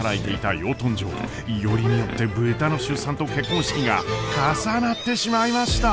よりによって豚の出産と結婚式が重なってしまいました。